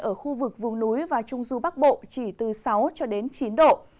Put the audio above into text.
ở khu vực vùng núi và trung du bắc bộ chỉ từ sáu chín độ